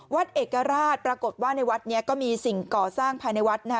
วัดเอกราชปรากฏว่าในวัดนี้ก็มีสิ่งก่อสร้างภายในวัดนะคะ